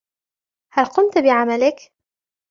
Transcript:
هل قمت بعملك ؟